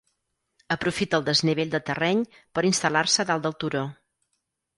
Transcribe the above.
Aprofita el desnivell de terreny per instal·lar-se dalt del turó.